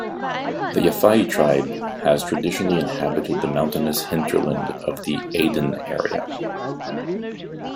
The Yafa'i tribe has traditionally inhabited the mountainous hinterland of the Aden area.